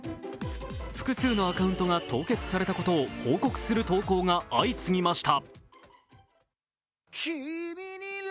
複数のアカウントが凍結されたことを報告する投稿が相次ぎました。